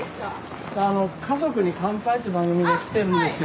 あの「家族に乾杯」っていう番組で来てるんですよ。